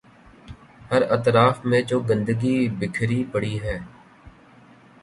ہر اطراف میں جو گندگی بکھری پڑی ہے۔